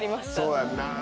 そうやんな。